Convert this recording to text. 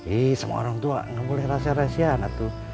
ih semua orang tua nggak boleh rasa rasa ya anak tuh